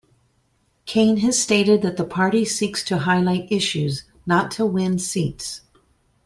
Kane has stated that the party seeks to highlight issues, not to win seats.